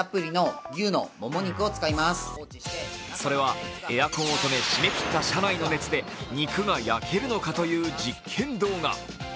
それはエアコンを止め閉めきった車内の熱で肉が焼けるのかという実験動画。